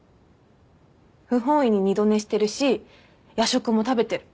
不本意に二度寝してるし夜食も食べてる。